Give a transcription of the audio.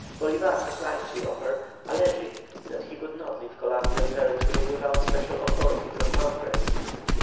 Bolívar declined the offer, alleging that he could not leave Columbian territory without special authority from Congress.